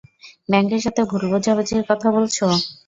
ব্যাংকের সাথে ভুল বোঝাবুঝির কথা বলছো?